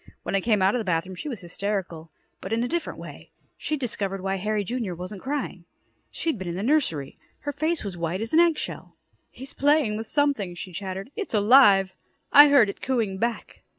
When I came out of the bathroom, she was hysterical but in a different way. She'd discovered why Harry, Jr., wasn't crying. She'd been in the nursery. Her face was white as an egg shell. "He's playing with something," she chattered. "It's alive. I heard it cooing back."